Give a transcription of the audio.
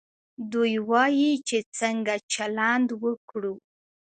دوی وايي چې څنګه چلند وکړو.